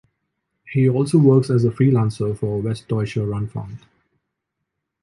He also works as a freelancer for Westdeutscher Rundfunk.